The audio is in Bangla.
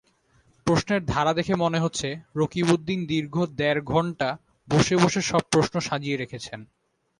প্রশ্নের ধারা দেখে মনে হচ্ছে রকিবউদ্দিন দীর্ঘ দেড় ঘন্টা বসেবসে সব প্রশ্ন সাজিয়ে রেখেছেন।